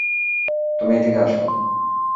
তুমি, এদিকে আসো।